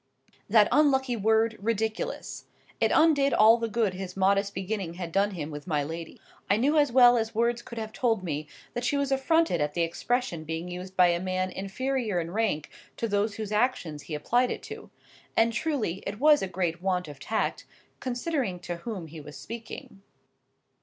That unlucky word "ridiculous!" It undid all the good his modest beginning had done him with my lady. I knew as well as words could have told me, that she was affronted at the expression being used by a man inferior in rank to those whose actions he applied it to,—and truly, it was a great want of tact, considering to whom he was speaking.